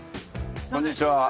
こんにちは。